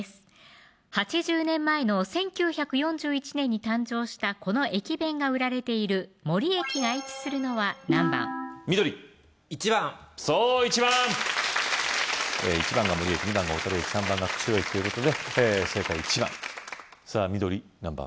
８０年前の１９４１年に誕生したこの駅弁が売られている森駅が位置するのは何番緑１番そう１番ということで正解１番さぁ緑何番？